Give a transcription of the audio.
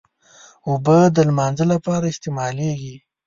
اوبه د لمانځه لپاره استعمالېږي.